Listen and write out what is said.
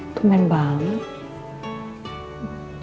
itu men banget